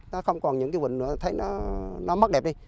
nó không còn những cái quỳnh nữa thấy nó mất đẹp đi